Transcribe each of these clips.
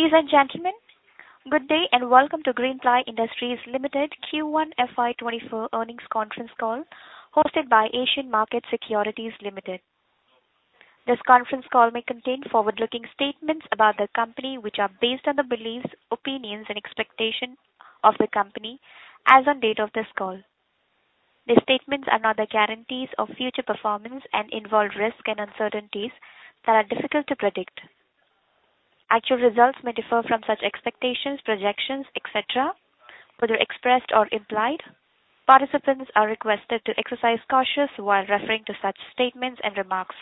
Ladies and gentlemen, good day, and welcome to Greenply Industries Limited Q1 FY24 earnings conference call, hosted by Asian Market Securities Limited. This conference call may contain forward-looking statements about the company which are based on the beliefs, opinions, and expectation of the company as on date of this call. These statements are not the guarantees of future performance and involve risks and uncertainties that are difficult to predict. Actual results may differ from such expectations, projections, et cetera, whether expressed or implied. Participants are requested to exercise caution while referring to such statements and remarks.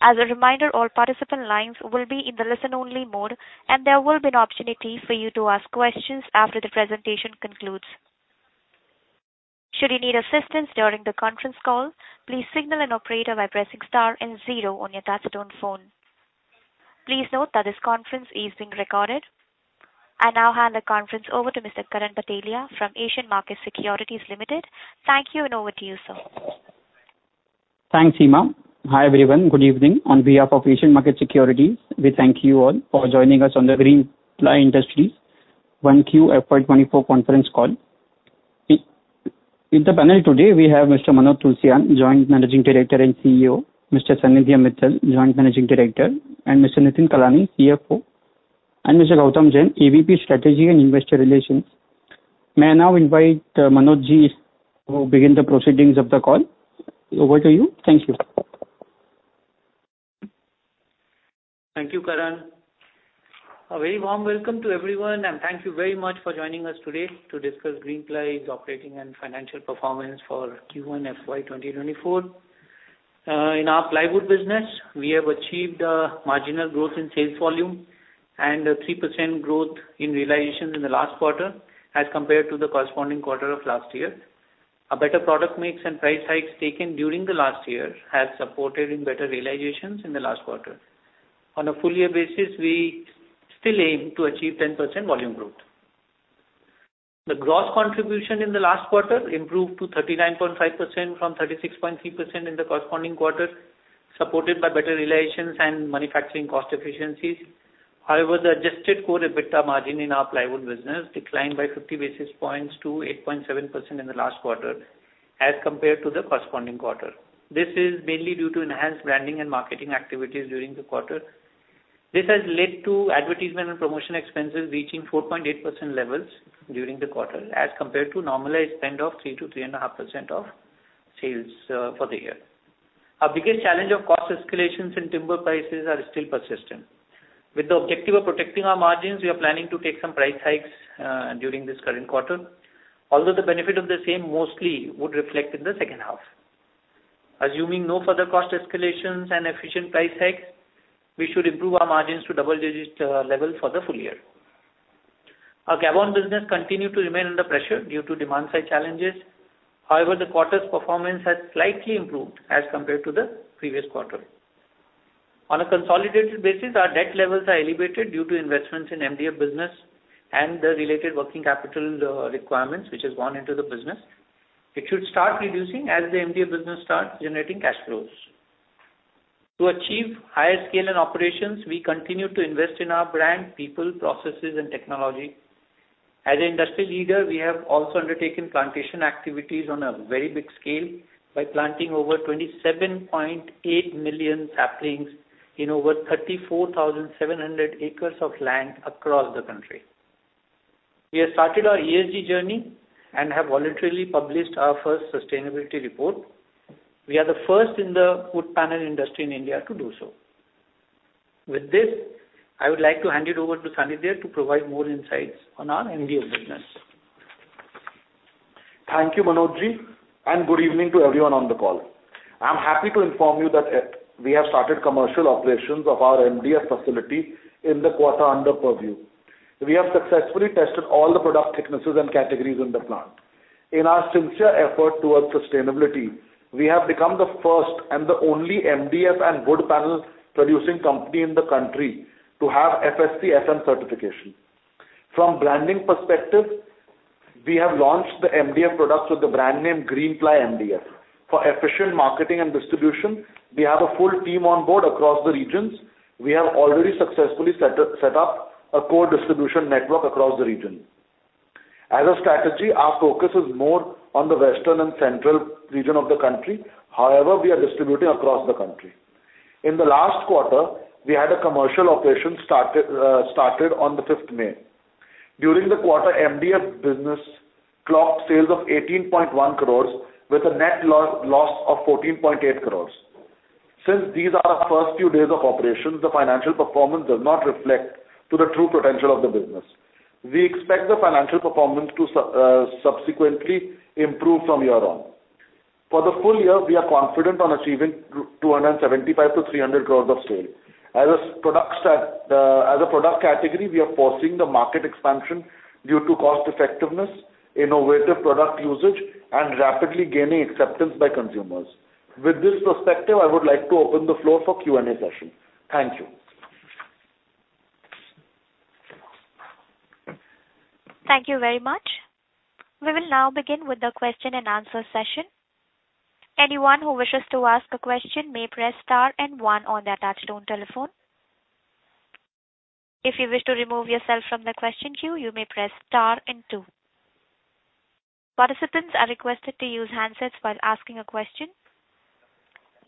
As a reminder, all participant lines will be in the listen-only mode, and there will be an opportunity for you to ask questions after the presentation concludes. Should you need assistance during the conference call, please signal an operator by pressing star and zero on your touchtone phone. Please note that this conference is being recorded. I now hand the conference over to Mr. Karan Bhatelia from Asian Market Securities Limited. Thank you, and over to you, sir. Thanks, Hima. Hi, everyone. Good evening. On behalf of Asian Market Securities, we thank you all for joining us on the Greenply Industries 1Q FY24 conference call. In the panel today, we have Mr. Manoj Tulsian, Joint Managing Director and CEO, Mr. Sanidhya Mittal, Joint Managing Director, and Mr. Nitin Kalani, CFO, and Mr. Gautam Jain, EVP, Strategy and Investor Relations. May I now invite Manoj Ji to begin the proceedings of the call. Over to you. Thank you. Thank you, Karan. A very warm welcome to everyone, and thank you very much for joining us today to discuss Greenply's operating and financial performance for Q1 FY 2024. In our plywood business, we have achieved a marginal growth in sales volume and a 3% growth in realizations in the last quarter as compared to the corresponding quarter of last year. A better product mix and price hikes taken during the last year has supported in better realizations in the last quarter. On a full year basis, we still aim to achieve 10% volume growth. The gross contribution in the last quarter improved to 39.5% from 36.3% in the corresponding quarter, supported by better realizations and manufacturing cost efficiencies. However, the adjusted core EBITDA margin in our plywood business declined by 50 basis points to 8.7% in the last quarter as compared to the corresponding quarter. This is mainly due to enhanced branding and marketing activities during the quarter. This has led to advertisement and promotion expenses reaching 4.8% levels during the quarter, as compared to normalized spend of 3%-3.5% of sales, for the year. Our biggest challenge of cost escalations in timber prices are still persistent. With the objective of protecting our margins, we are planning to take some price hikes, during this current quarter. Although, the benefit of the same mostly would reflect in the second half. Assuming no further cost escalations and efficient price hikes, we should improve our margins to double digits, level for the full year. Our Gabon business continued to remain under pressure due to demand side challenges. However, the quarter's performance has slightly improved as compared to the previous quarter. On a consolidated basis, our debt levels are elevated due to investments in MDF business and the related working capital requirements, which has gone into the business. It should start reducing as the MDF business starts generating cash flows. To achieve higher scale and operations, we continue to invest in our brand, people, processes, and technology. As an industry leader, we have also undertaken plantation activities on a very big scale by planting over 27.8 million saplings in over 34,700 acres of land across the country. We have started our ESG journey and have voluntarily published our first sustainability report. We are the first in the wood panel industry in India to do so. With this, I would like to hand it over to Sanidhya to provide more insights on our MDF business. Thank you, Manoj Ji, and good evening to everyone on the call. I'm happy to inform you that we have started commercial operations of our MDF facility in the quarter under purview. We have successfully tested all the product thicknesses and categories in the plant. In our sincere effort towards sustainability, we have become the first and the only MDF and wood panel producing company in the country to have FSC-SM certification. From branding perspective, we have launched the MDF products with the brand name Greenply MDF. For efficient marketing and distribution, we have a full team on board across the regions. We have already successfully set up a core distribution network across the region. As a strategy, our focus is more on the western and central region of the country. However, we are distributing across the country. In the last quarter, we had a commercial operation started, started on the fifth May. During the quarter, MDF business clocked sales of 18.1 crores with a net loss of 14.8 crores. Since these are our first few days of operations, the financial performance does not reflect to the true potential of the business. We expect the financial performance to subsequently improve from here on. For the full year, we are confident on achieving 275-300 crores of sale. As a product set, as a product category, we are foresee the market expansion due to cost effectiveness, innovative product usage, and rapidly gaining acceptance by consumers. With this perspective, I would like to open the floor for Q&A session. Thank you. ...Thank you very much. We will now begin with the question and answer session. Anyone who wishes to ask a question may press star and one on their touchtone telephone. If you wish to remove yourself from the question queue, you may press star and two. Participants are requested to use handsets while asking a question.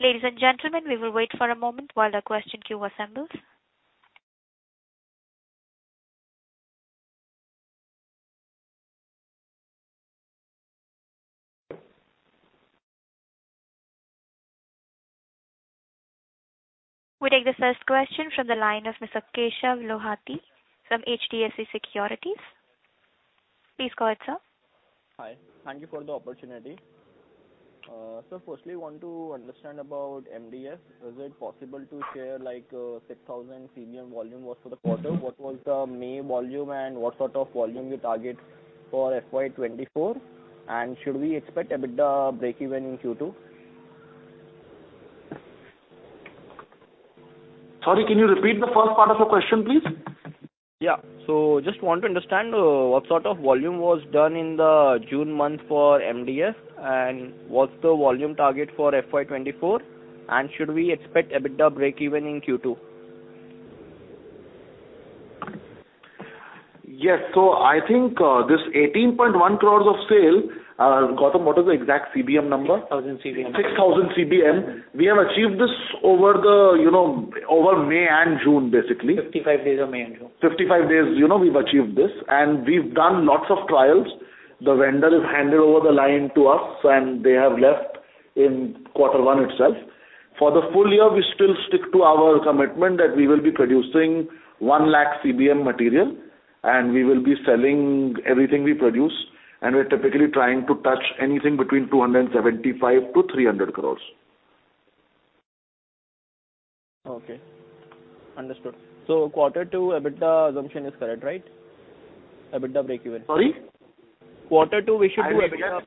Ladies and gentlemen, we will wait for a moment while the question queue assembles. We take the first question from the line of Mr. Keshav Lahoti from HDFC Securities. Please go ahead, sir. Hi. Thank you for the opportunity. So firstly, I want to understand about MDF. Is it possible to share, like, 6,000 CBM volume was for the quarter? What was the main volume and what sort of volume you target for FY 2024, and should we expect EBITDA breakeven in Q2? Sorry, can you repeat the first part of your question, please? Yeah. So just want to understand, what sort of volume was done in the June month for MDF, and what's the volume target for FY24, and should we expect EBITDA breakeven in Q2? Yes. So I think this 18.1 crore of sale, Gautam, what was the exact CBM number? 6,000 CBM. 6,000 CBM. We have achieved this over the, you know, over May and June, basically. 55 days of May and June. 55 days, you know, we've achieved this, and we've done lots of trials. The vendor has handed over the line to us, and they have left in quarter one itself. For the full year, we still stick to our commitment that we will be producing 100,000 CBM material, and we will be selling everything we produce, and we're typically trying to touch anything between 275 crore and 300 crore. Okay. Understood. So quarter two, EBITDA assumption is correct, right? EBITDA breakeven. Sorry? Quarter two, we should do EBITDA.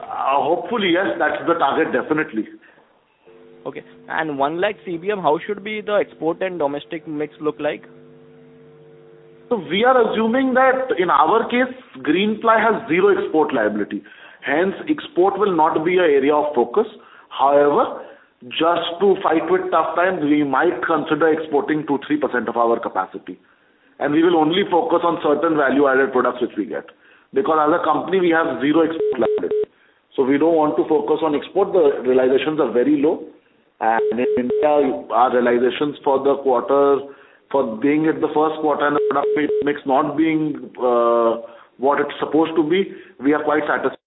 Hopefully, yes, that's the target, definitely. Okay. 100,000 CBM, how should be the export and domestic mix look like? So we are assuming that in our case, Greenply has zero export liability, hence, export will not be an area of focus. However, just to fight with tough times, we might consider exporting 2-3% of our capacity. And we will only focus on certain value-added products which we get, because as a company, we have zero export liability. So we don't want to focus on export. The realizations are very low, and in India, our realizations for the quarter, for being at the first quarter and our product mix not being what it's supposed to be, we are quite satisfied.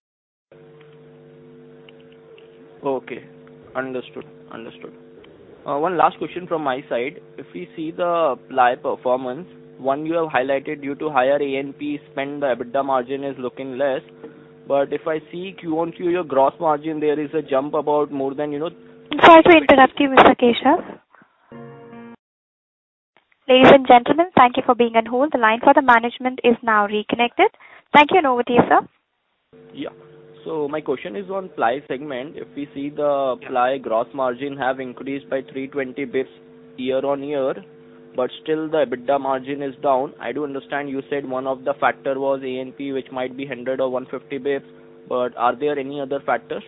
Okay. Understood. Understood. One last question from my side. If we see the ply performance, one, you have highlighted due to higher A&P spend, the EBITDA margin is looking less. But if I see Q on Q, your gross margin, there is a jump about more than you know- Sorry to interrupt you, Mr. Keshav. Ladies and gentlemen, thank you for being on hold. The line for the management is now reconnected. Thank you, and over to you, sir. Yeah. So my question is on ply segment. If we see the ply gross margin have increased by 320 BPS year-on-year, but still the EBITDA margin is down. I do understand you said one of the factor was A&P, which might be 100 or 150 BPS, but are there any other factors?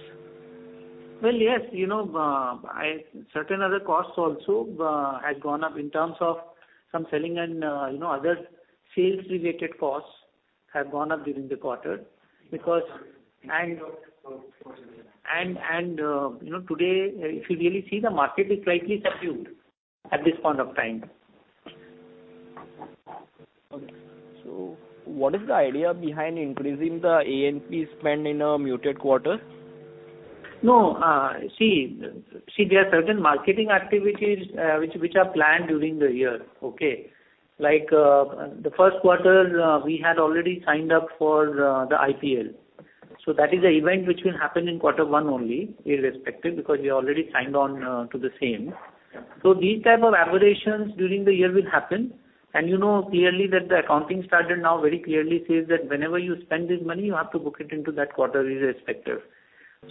Well, yes, you know, certain other costs also has gone up in terms of some selling and, you know, other sales-related costs have gone up during the quarter. Because, you know, today, if you really see, the market is slightly subdued at this point of time. Okay. So what is the idea behind increasing the A&P spend in a muted quarter? No, see, there are certain marketing activities which are planned during the year, okay? Like, the first quarter, we had already signed up for the IPL. So that is an event which will happen in quarter one only, irrespective, because we already signed on to the same. Yeah. So these type of aberrations during the year will happen. And you know clearly that the accounting standard now very clearly says that whenever you spend this money, you have to book it into that quarter, irrespective.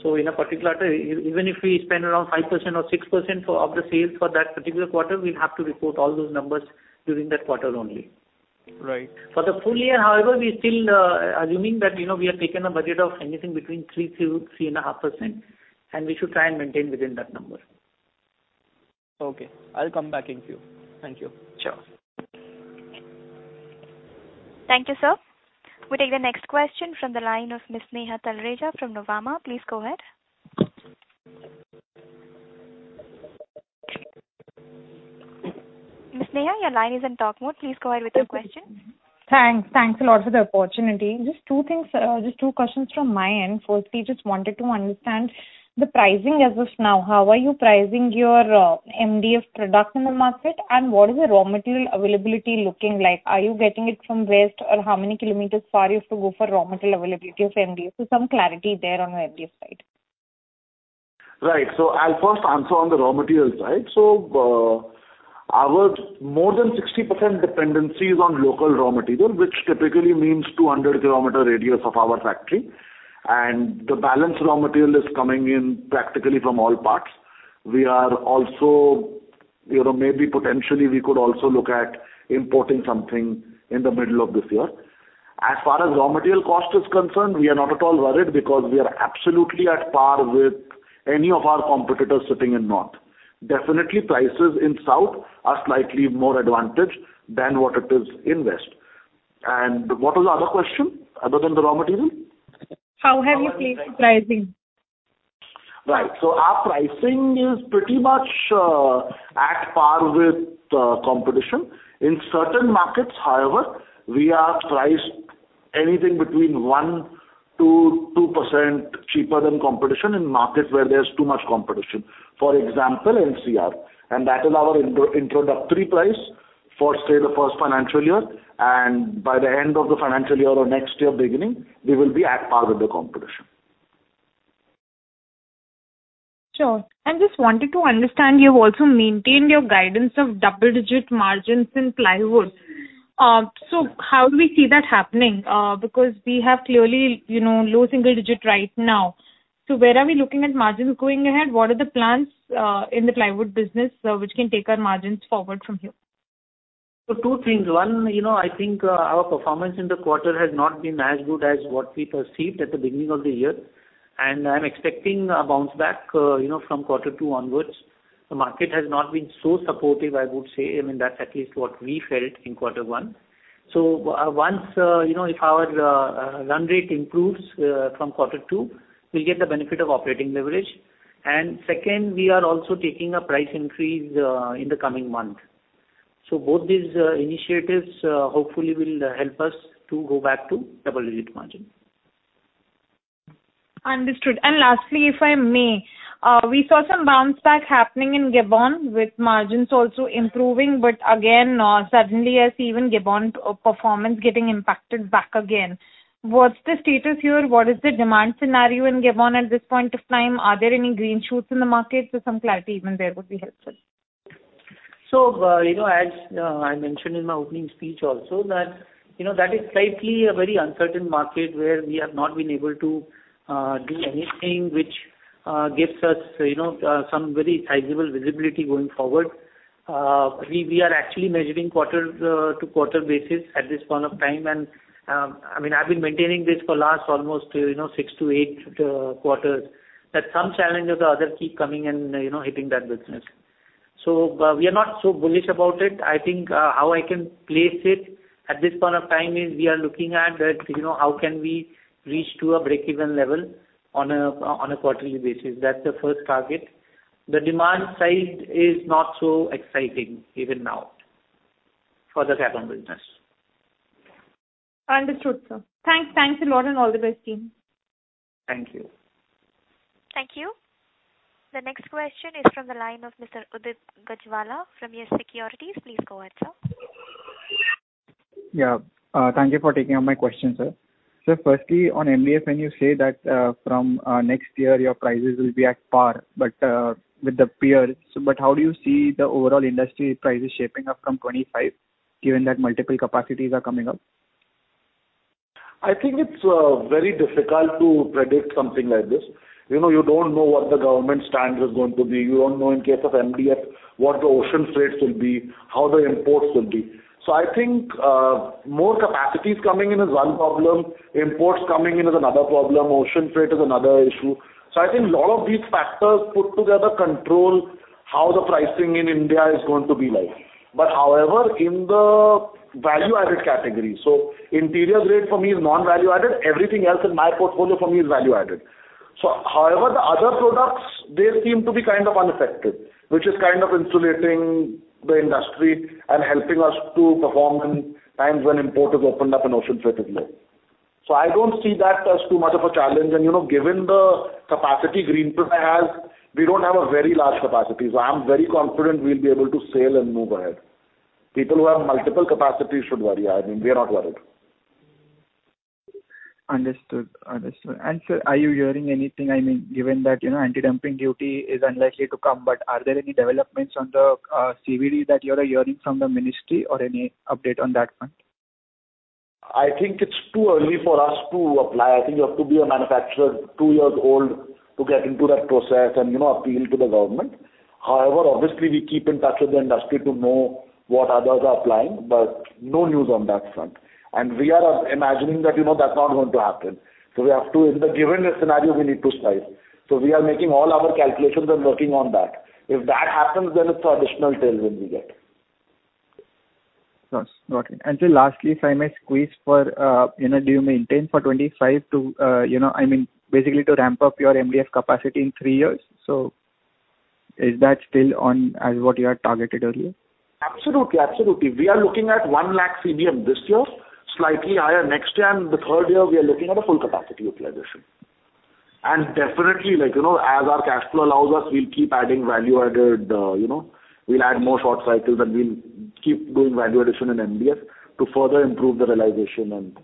So in a particular quarter, even if we spend around 5% or 6% for, of the sales for that particular quarter, we'll have to report all those numbers during that quarter only. Right. For the full year, however, we're still assuming that, you know, we have taken a budget of anything between 3%-3.5%, and we should try and maintain within that number. Okay. I'll come back in queue. Thank you. Sure. Thank you, sir. We take the next question from the line of Ms. Neha Talreja from Novama. Please go ahead. Ms. Neha, your line is in talk mode. Please go ahead with your question. Thanks. Thanks a lot for the opportunity. Just two things, just two questions from my end. Firstly, just wanted to understand the pricing as of now. How are you pricing your MDF product in the market, and what is the raw material availability looking like? Are you getting it from west, or how many kilometers far you have to go for raw material availability of MDF? So some clarity there on the MDF side. Right. So I'll first answer on the raw material side. So, our more than 60% dependency is on local raw material, which typically means 200 kilometer radius of our factory, and the balance raw material is coming in practically from all parts. We are also, you know, maybe potentially we could also look at importing something in the middle of this year. As far as raw material cost is concerned, we are not at all worried because we are absolutely at par with any of our competitors sitting in north. Definitely, prices in south are slightly more advantaged than what it is in west. And what was the other question, other than the raw material? How have you placed the pricing? Right. So our pricing is pretty much at par with competition. In certain markets, however, we are priced anything between 1%-2% cheaper than competition in markets where there's too much competition. For example, NCR, and that is our intro, introductory price for, say, the first financial year, and by the end of the financial year or next year beginning, we will be at par with the competition. Sure. I just wanted to understand, you've also maintained your guidance of double-digit margins in plywood. So how do we see that happening? Because we have clearly, you know, low single digit right now. So where are we looking at margins going ahead? What are the plans in the plywood business which can take our margins forward from here? So two things. One, you know, I think, our performance in the quarter has not been as good as what we perceived at the beginning of the year, and I'm expecting a bounce back, you know, from quarter two onwards. The market has not been so supportive, I would say. I mean, that's at least what we felt in quarter one. So once, you know, if our run rate improves from quarter two, we'll get the benefit of operating leverage. And second, we are also taking a price increase in the coming month. So both these initiatives hopefully will help us to go back to double-digit margin. Understood. Lastly, if I may, we saw some bounce back happening in Gabon, with margins also improving, but again, suddenly I see even Gabon performance getting impacted back again. What's the status here? What is the demand scenario in Gabon at this point of time? Are there any green shoots in the market? So some clarity even there would be helpful. So, you know, as I mentioned in my opening speech also, that, you know, that is slightly a very uncertain market where we have not been able to do anything which gives us, you know, some very sizable visibility going forward. We are actually measuring quarter to quarter basis at this point of time, and, I mean, I've been maintaining this for last almost, you know, 6-8 quarters, that some challenges or other keep coming and, you know, hitting that business. So, we are not so bullish about it. I think, how I can place it at this point of time is we are looking at that, you know, how can we reach to a break-even level on a quarterly basis. That's the first target. The demand side is not so exciting even now for the Gabon business. Understood, sir. Thanks. Thanks a lot and all the best, team. Thank you. Thank you. The next question is from the line of Mr. Udit Gajiwala from Yes Securities. Please go ahead, sir. Yeah. Thank you for taking all my questions, sir. So firstly, on MDF, when you say that, from next year, your prices will be at par, but with the peers, but how do you see the overall industry prices shaping up from 2025, given that multiple capacities are coming up? I think it's very difficult to predict something like this. You know, you don't know what the government stance is going to be. You don't know in case of MDF, what the ocean rates will be, how the imports will be. So I think more capacities coming in is one problem, imports coming in is another problem, ocean freight is another issue. So I think a lot of these factors put together control how the pricing in India is going to be like. But however, in the value-added category, so interior grade for me is non-value added, everything else in my portfolio for me is value added. So however, the other products, they seem to be kind of unaffected, which is kind of insulating the industry and helping us to perform in times when importers opened up and ocean freight is low. So I don't see that as too much of a challenge. And, you know, given the capacity Greenply has, we don't have a very large capacity. So I'm very confident we'll be able to sail and move ahead. People who have multiple capacities should worry. I mean, we are not worried. Understood. Understood. Sir, are you hearing anything, I mean, given that, you know, anti-dumping duty is unlikely to come, but are there any developments on the CVD that you are hearing from the ministry or any update on that front? I think it's too early for us to apply. I think you have to be a manufacturer, two years old, to get into that process and, you know, appeal to the government. However, obviously, we keep in touch with the industry to know what others are applying, but no news on that front. And we are imagining that, you know, that's not going to happen. So we have to... In the given scenario, we need to size. So we are making all our calculations and working on that. If that happens, then it's additional tailwind we get. Yes, got it. And sir, lastly, if I may squeeze for, you know, do you maintain for 25 to, you know, I mean, basically to ramp up your MDF capacity in three years. So is that still on as what you had targeted earlier? Absolutely. Absolutely. We are looking at 100,000 CBM this year, slightly higher next year, and the third year, we are looking at a full capacity utilization. And definitely, like, you know, as our cash flow allows us, we'll keep adding value-added, you know, we'll add more short cycles, and we'll keep doing value addition in MDF to further improve the realization and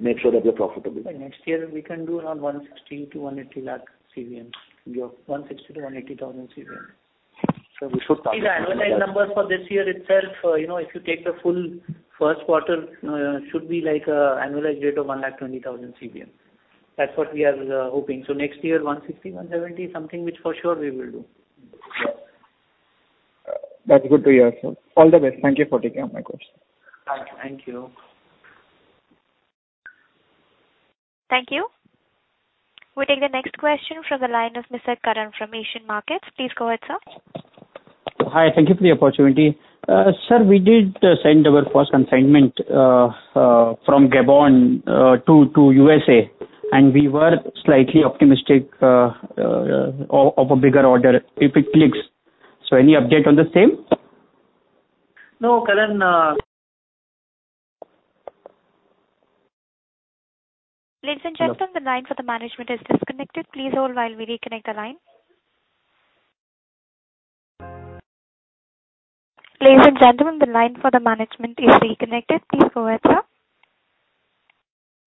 make sure that we're profitable. Next year, we can do around 160-180 lakh CBM. Yeah. 160,000-180,000 CBM. So we should target. These annualized numbers for this year itself, you know, if you take the full first quarter, should be like, annualized rate of 120,000 CBM. That's what we are hoping. So next year, 160,000-170,000, something which for sure we will do. That's good to hear, sir. All the best. Thank you for taking up my question. Thank you. Thank you. We take the next question from the line of Mr. Karan from Asian Markets. Please go ahead, sir. Hi, thank you for the opportunity. Sir, we did send our first consignment from Gabon to USA, and we were slightly optimistic of a bigger order if it clicks. So any update on the same? No, Karan. Ladies and gentlemen, the line for the management is disconnected. Please hold while we reconnect the line. Ladies and gentlemen, the line for the management is reconnected. Please go ahead, sir.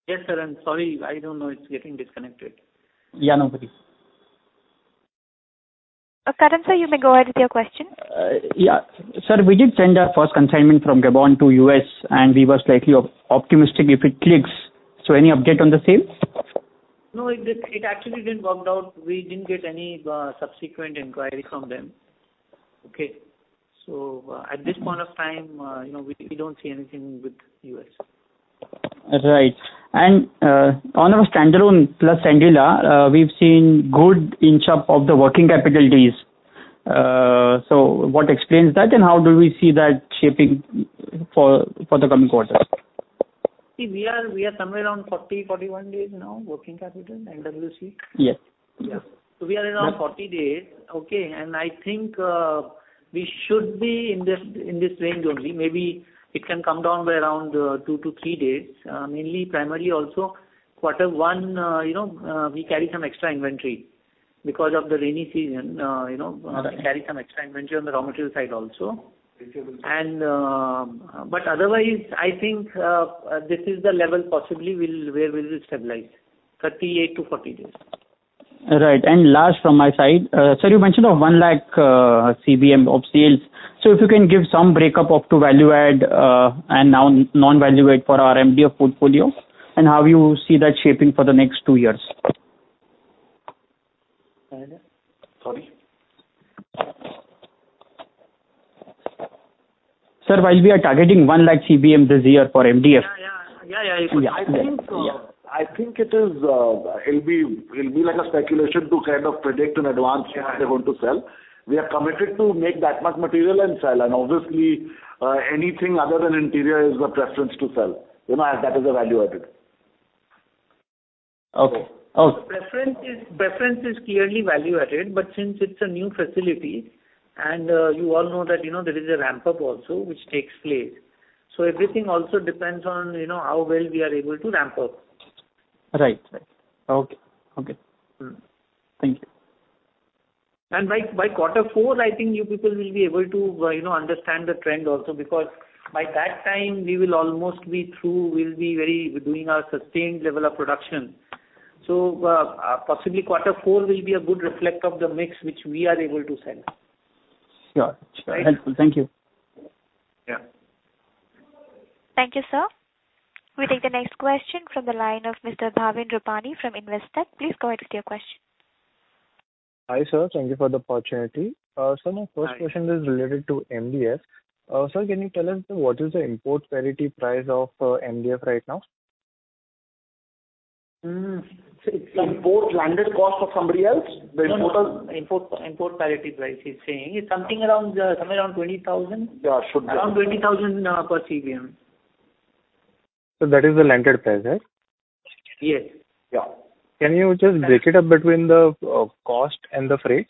Yes, sir, and sorry, I don't know it's getting disconnected. Yeah, no worries. Karan, sir, you may go ahead with your question. Yeah. Sir, we did send our first consignment from Gabon to U.S., and we were slightly optimistic if it clicks. So any update on the sales? No, it actually didn't worked out. We didn't get any subsequent inquiry from them. Okay? So, at this point of time, you know, we, we don't see anything with US. Right. On our standalone plus Sandila, we've seen good inch up of the working capital days. So what explains that, and how do we see that shaping for, for the coming quarters? See, we are, we are somewhere around 40-41 days now, working capital, NWC? Yes. Yeah. So we are around 40 days, okay, and I think we should be in this range only. Maybe it can come down by around 2-3 days. Mainly, primarily also, quarter one, you know, we carry some extra inventory because of the rainy season, you know, carry some extra inventory on the raw material side also. Thank you. But otherwise, I think this is the level possibly where we will stabilize, 38-40 days. Right. And last from my side. Sir, you mentioned of 100,000 CBM of sales. So if you can give some breakup of to value-add and non, non-value-add for our MDF portfolio, and how you see that shaping for the next two years? Sorry? Sir, while we are targeting 100,000 CBM this year for MDF- Yeah, yeah. Yeah, yeah, you could- I think, I think it is, it'll be, it'll be like a speculation to kind of predict in advance what they're going to sell. We are committed to make that much material and sell, and obviously, anything other than interior is the preference to sell, you know, as that is a value-added. Okay. Oh- Preference is, preference is clearly value-added, but since it's a new facility and, you all know that, you know, there is a ramp-up also which takes place. So everything also depends on, you know, how well we are able to ramp up. Right. Right. Okay, okay. Mm. Thank you. By quarter four, I think you people will be able to, you know, understand the trend also, because by that time, we will almost be through. We'll be very, we're doing our sustained level of production. So, possibly quarter four will be a good reflection of the mix which we are able to sell. Sure. Right. Thank you. Yeah. Thank you, sir. We take the next question from the line of Mr. Bhavin Rupani from Investec. Please go ahead with your question. Hi, Sir. Thank you for the opportunity. Sir, my first question- Hi. -is related to MDF. Sir, can you tell us what is the import parity price of MDF right now? Hmm, so import landed cost for somebody else? The import of- No, no, import, import parity price, he's saying. It's something around, somewhere around 20,000. Yeah, should be. Around 20,000 per CBM. That is the landed price, right? Yes. Yeah. Can you just break it up between the cost and the freight?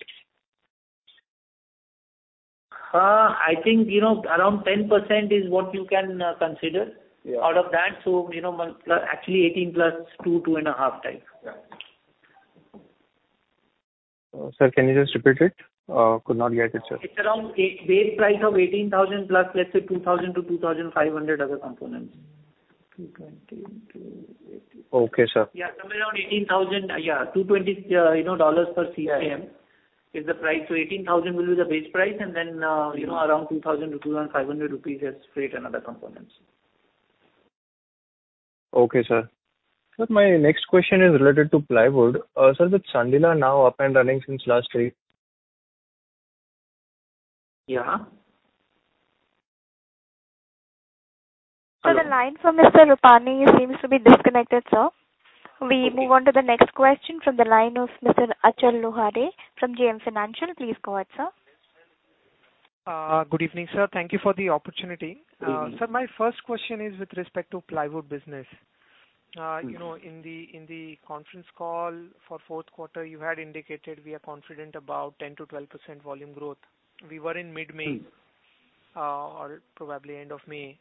I think, you know, around 10% is what you can consider- Yeah. Out of that, so, you know, mon, actually 18 + 2, 2.5 type. Yeah. Sir, can you just repeat it? Could not get it, sir. It's around a base price of 18,000 plus, let's say, 2,000-2,500 other components. INR 220, INR 280. Okay, sir. Yeah, somewhere around 18,000... Yeah, $220 per CBM is the price. So 18,000 will be the base price and then, you know, around 2,000-2,500 rupees as freight and other components. Okay, sir. Sir, my next question is related to plywood. Sir, with Sandila now up and running since last week. Yeah. The line for Mr. Rupani seems to be disconnected, sir. We move on to the next question from the line of Mr. Achal Lohade from JM Financial. Please go ahead, sir. Good evening, sir. Thank you for the opportunity. Good evening. Sir, my first question is with respect to plywood business. Mm-hmm. You know, in the conference call for fourth quarter, you had indicated we are confident about 10%-12% volume growth. We were in mid-May- Mm. Or probably end of May.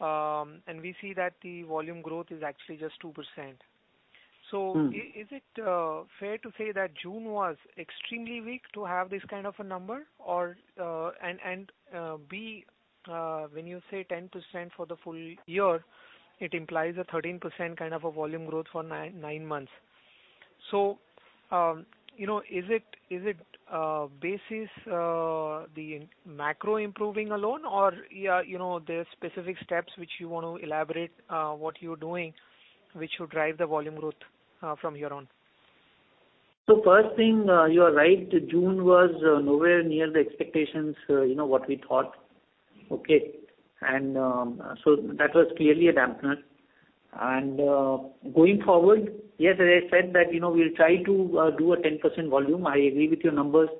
We see that the volume growth is actually just 2%. Mm. So is it fair to say that June was extremely weak to have this kind of a number? Or... And when you say 10% for the full year, it implies a 13% kind of a volume growth for nine months.... So, you know, is it basis the macro improving alone? Or, yeah, you know, there are specific steps which you want to elaborate what you're doing, which will drive the volume growth from here on. So first thing, you are right, June was nowhere near the expectations, you know, what we thought. Okay? And, so that was clearly a dampener. And, going forward, yes, I said that, you know, we'll try to do a 10% volume. I agree with your numbers.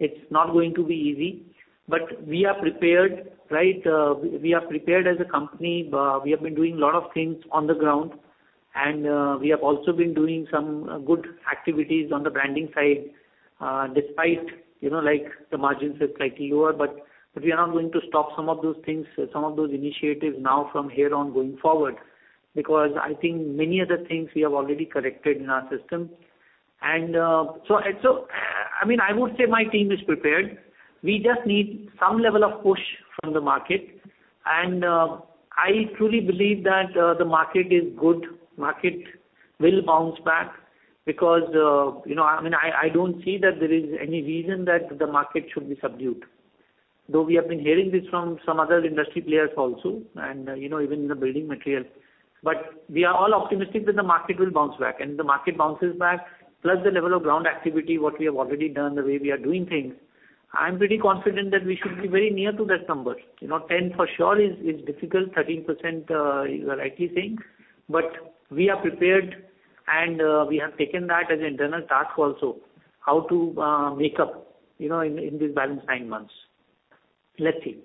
It's not going to be easy, but we are prepared, right? We are prepared as a company. We have been doing a lot of things on the ground, and, we have also been doing some good activities on the branding side, despite, you know, like, the margins are slightly lower, but we are not going to stop some of those things, some of those initiatives now from here on going forward, because I think many other things we have already corrected in our system. I mean, I would say my team is prepared. We just need some level of push from the market, and I truly believe that the market is good, market will bounce back because you know, I mean, I don't see that there is any reason that the market should be subdued, though we have been hearing this from some other industry players also, and you know, even in the building material. But we are all optimistic that the market will bounce back, and if the market bounces back, plus the level of ground activity, what we have already done, the way we are doing things, I'm pretty confident that we should be very near to that number. You know, 10 for sure is difficult, 13%, you are rightly saying. But we are prepared, and we have taken that as an internal task also, how to make up, you know, in these balance nine months. Let's see.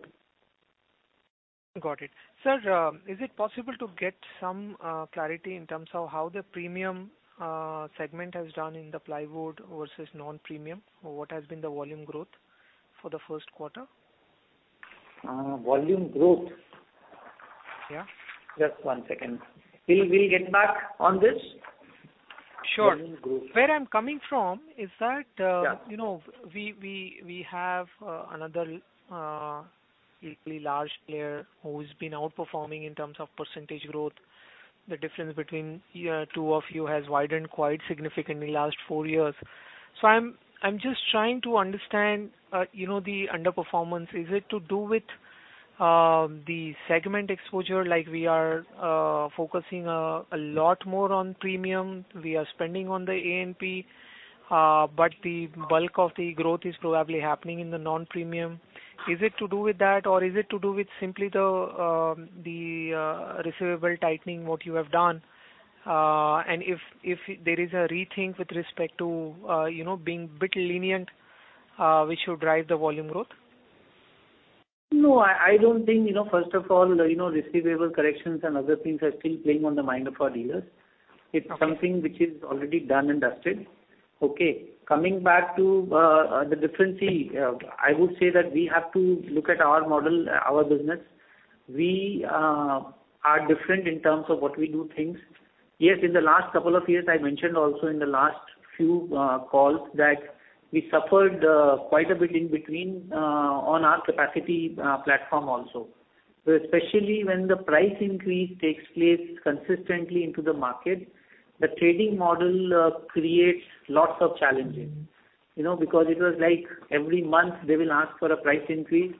Got it. Sir, is it possible to get some clarity in terms of how the premium segment has done in the plywood versus non-premium? What has been the volume growth for the first quarter? Volume growth? Yeah. Just one second. We'll get back on this? Sure. Volume growth. Where I'm coming from is that, Yeah. You know, we have another equally large player who's been outperforming in terms of percentage growth. The difference between you two of you has widened quite significantly last four years. So I'm just trying to understand you know, the underperformance. Is it to do with the segment exposure, like we are focusing a lot more on premium, we are spending on the AMP, but the bulk of the growth is probably happening in the non-premium. Is it to do with that, or is it to do with simply the receivable tightening, what you have done? And if there is a rethink with respect to you know, being bit lenient, which should drive the volume growth? No, I don't think, you know, first of all, you know, receivable corrections and other things are still playing on the mind of our dealers. Okay. It's something which is already done and dusted. Okay, coming back to the difference, see, I would say that we have to look at our model, our business. We are different in terms of what we do things. Yes, in the last couple of years, I mentioned also in the last few calls that we suffered quite a bit in between on our capacity platform also. So especially when the price increase takes place consistently into the market, the trading model creates lots of challenges. Mm-hmm. You know, because it was like every month they will ask for a price increase,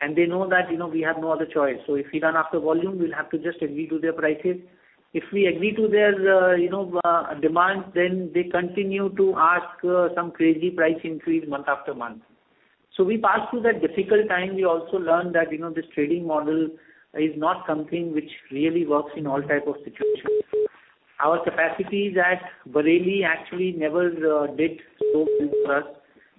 and they know that, you know, we have no other choice. So if we run after volume, we'll have to just agree to their prices. If we agree to their, you know, demand, then they continue to ask some crazy price increase month after month. So we passed through that difficult time. We also learned that, you know, this trading model is not something which really works in all type of situations. Our capacities at Bareilly actually never did so since for us,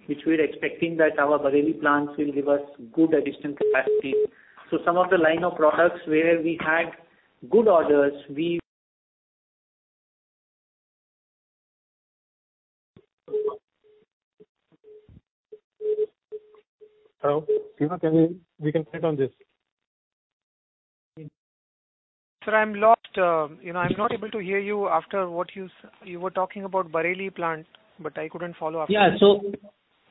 which we're expecting that our Bareilly plants will give us good additional capacity. So some of the line of products where we had good orders, we... Hello? Can we- we can start on this. Sir, I'm lost, you know, I'm not able to hear you after what you said. You were talking about Bareilly plant, but I couldn't follow after that. Yeah.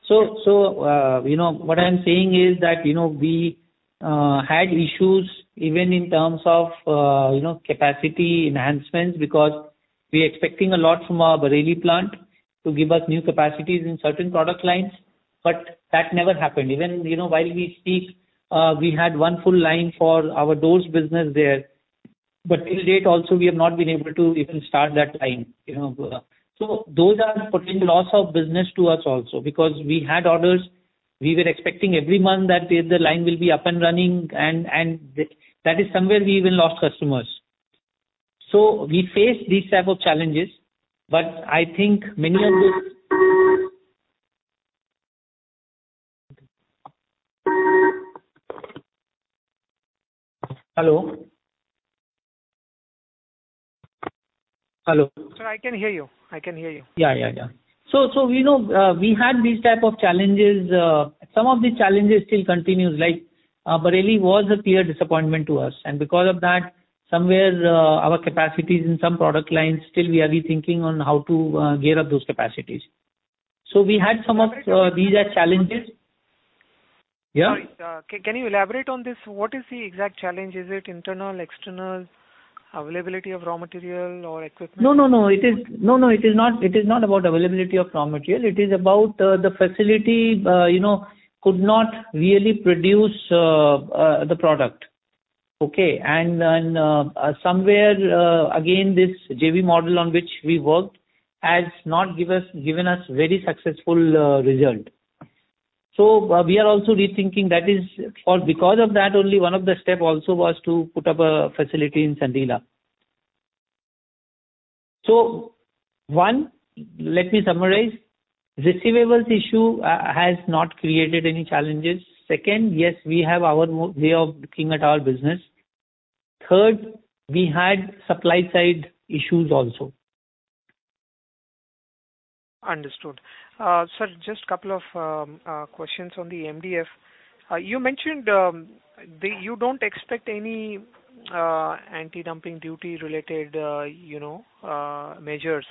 So, you know, what I'm saying is that, you know, we had issues even in terms of, you know, capacity enhancements, because we were expecting a lot from our Bareilly plant to give us new capacities in certain product lines, but that never happened. Even, you know, while we speak, we had one full line for our doors business there, but till date also, we have not been able to even start that line, you know. So those are potential loss of business to us also, because we had orders, we were expecting every month that the line will be up and running, and that is somewhere we even lost customers. So we face these type of challenges, but I think many of the... Hello? Hello. Sir, I can hear you. I can hear you. Yeah, yeah, yeah. So, so, you know, we had these type of challenges. Some of these challenges still continues, like, Bareilly was a clear disappointment to us, and because of that, somewhere, our capacities in some product lines, still we are rethinking on how to gear up those capacities. So we had some of, these are challenges... Yeah. Can you elaborate on this? What is the exact challenge? Is it internal, external, availability of raw material or equipment? No, no, no, it is not, it is not about availability of raw material. It is about, the facility, you know, could not really produce, the product. Okay? And then, somewhere, again, this JV model on which we worked has not given us very successful, result. So we are also rethinking, that is, for because of that, only one of the step also was to put up a facility in Sandila. So one, let me summarize. Receivables issue, has not created any challenges. Second, yes, we have our way of looking at our business. Third, we had supply side issues also. Understood. Sir, just a couple of questions on the MDF. You mentioned the you don't expect any anti-dumping duty related, you know, measures.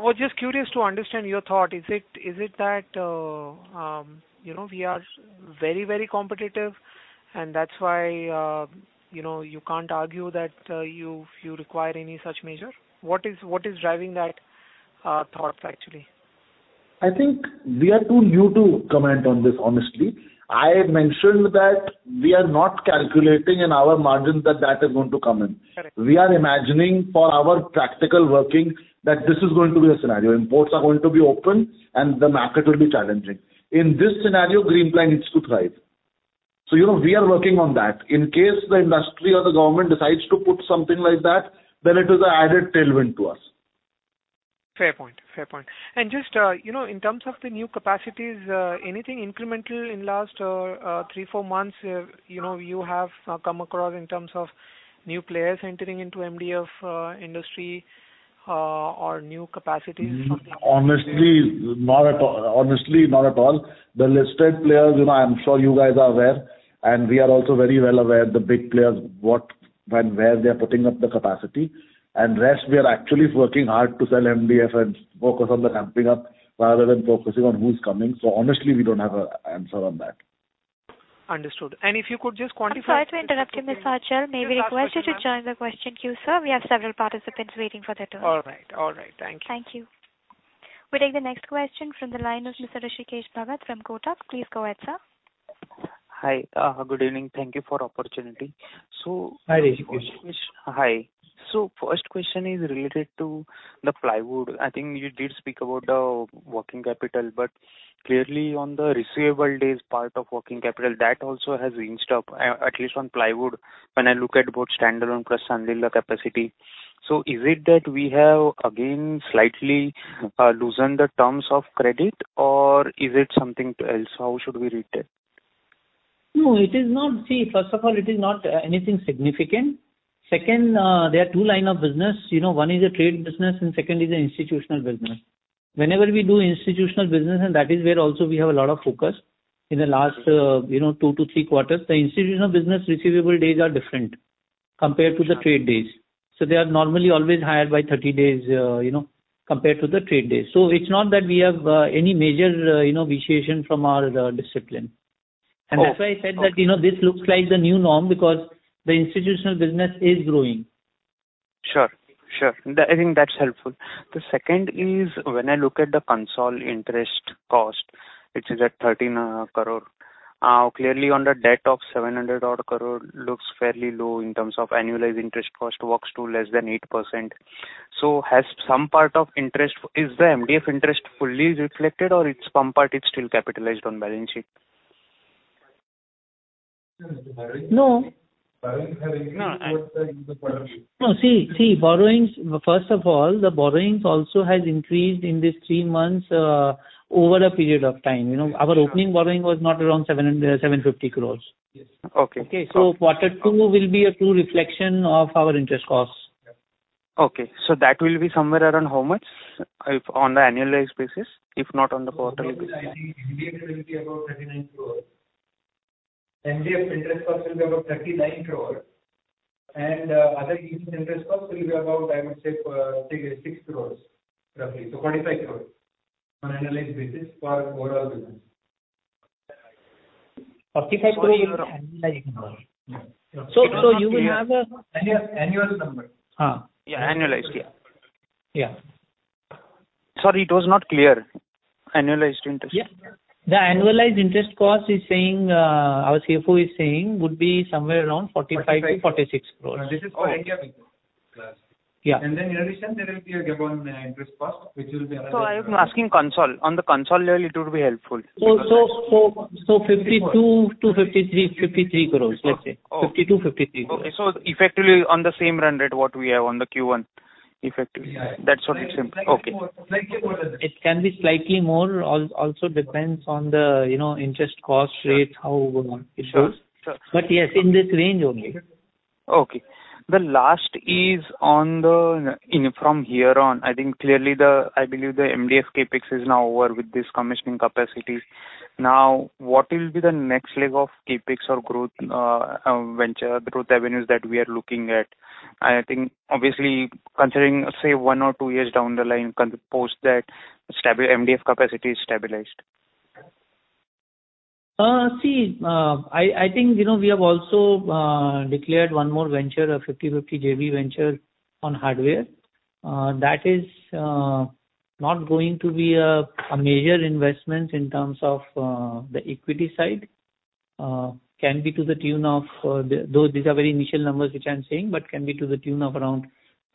We're just curious to understand your thought. Is it that, you know, we are very, very competitive, and that's why, you know, you can't argue that you require any such measure? What is driving that thought, actually? I think we are too new to comment on this, honestly. I mentioned that we are not calculating in our margin that that is going to come in. Correct. We are imagining for our practical working, that this is going to be a scenario. Imports are going to be open and the market will be challenging. In this scenario, Greenply needs to thrive. So, you know, we are working on that. In case the industry or the government decides to put something like that, then it is an added tailwind to us. Fair point. Fair point. Just, you know, in terms of the new capacities, anything incremental in last 3, 4 months, you know, you have come across in terms of new players entering into MDF industry, or new capacities or something like that? Honestly, not at all. Honestly, not at all. The listed players, you know, I'm sure you guys are aware, and we are also very well aware, the big players, what and where they are putting up the capacity. And rest, we are actually working hard to sell MDF and focus on the ramping up rather than focusing on who's coming. So honestly, we don't have an answer on that. Understood. And if you could just quantify- I'm sorry to interrupt you, Mr. Achal. Yes, absolutely, ma'am. May we request you to join the question queue, sir. We have several participants waiting for their turn. All right. All right. Thank you. Thank you. We take the next question from the line of Mr. Hrishikesh Bhagat from Kotak. Please go ahead, sir. Hi. Good evening. Thank you for opportunity. Hi, Hrishikesh. Hi. So first question is related to the plywood. I think you did speak about the working capital, but clearly on the receivable days, part of working capital, that also has inched up, at least on plywood, when I look at both standalone plus Sandila capacity. So is it that we have again slightly loosened the terms of credit or is it something else? How should we read it? No, it is not. See, first of all, it is not anything significant. Second, there are two lines of business. You know, one is a trade business and second is an institutional business. Whenever we do institutional business, and that is where also we have a lot of focus, in the last 2-3 quarters, the institutional business receivable days are different compared to the trade days. So they are normally always higher by 30 days, you know, compared to the trade days. So it's not that we have any major, you know, deviation from our discipline. Okay. That's why I said that, you know, this looks like the new norm, because the institutional business is growing. Sure, sure. I think that's helpful. The second is, when I look at the consolidated interest cost, which is at 13 crore, clearly on the debt of 700-odd crore, looks fairly low in terms of annualized interest cost, works to less than 8%. So has some part of interest... Is the MDF interest fully reflected or it's some part is still capitalized on balance sheet? No. No, I- No, see, see, borrowings, first of all, the borrowings also has increased in this three months, over a period of time. You know, our opening borrowing was not around 750 crores. Okay. Okay, so quarter two will be a true reflection of our interest costs. Okay, so that will be somewhere around how much, if on the annualized basis, if not on the quarterly basis? I think MDF will be about INR 39 crore. MDF interest cost will be about 39 crore, and other interest costs will be about, I would say, 6 crore, roughly. So 45 crore on annualized basis for overall business. 45 crore annualized number. Yeah. So, you will have a- Annual number. Uh. Yeah, annualized. Yeah. Yeah. Sorry, it was not clear. Annualized interest. Yeah. The annualized interest cost is saying, our CFO is saying, would be somewhere around 45 crore-46 crore. This is ICAP. Yeah. Then, in addition, there will be a given interest cost, which will be around- I'm asking console. On the console level, it would be helpful. 52-53, 53 crores, let's say. Oh. crore-INR 53 crore. Okay, so effectively on the same run rate, what we have on the Q1, effectively. Yeah. That's what it seems. Okay. Slightly more than that. It can be slightly more, also depends on the, you know, interest cost rates, how it goes. Sure. Sure. But yes, in this range only. Okay. The last is on the... In from here on, I think clearly the, I believe the MDF CapEx is now over with this commissioning capacities. Now, what will be the next leg of CapEx or growth venture, the growth avenues that we are looking at?... I think obviously considering, say, one or two years down the line, post that stable MDF capacity is stabilized. See, I think, you know, we have also declared one more venture, a 50/50 JV venture on hardware. That is not going to be a major investment in terms of the equity side. Can be to the tune of these are very initial numbers which I'm saying, but can be to the tune of around